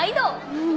うん！